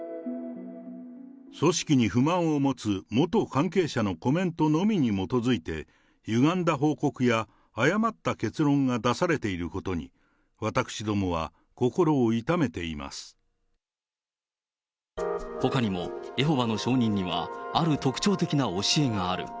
組織に不満を持つ元関係者のコメントのみに基づいてゆがんだ報告や誤った結論が出されていることに、私どもは心を痛めていまほかにも、エホバの証人にはある特徴的な教えがある。